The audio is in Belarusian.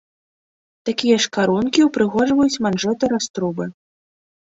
Такія ж карункі ўпрыгожваюць манжэты-раструбы.